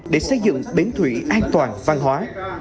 để xây dựng bến thủy an toàn văn hóa